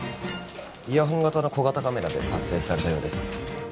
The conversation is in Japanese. イヤホン型の小型カメラで撮影されたようです